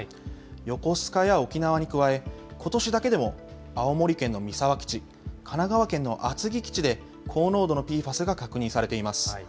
横須賀や沖縄に加え、ことしだけでも、青森県の三沢基地、神奈川県の厚木基地で、高濃度のＰＦＡＳが確認されています。